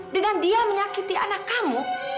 dengan dia menyakiti anak kamu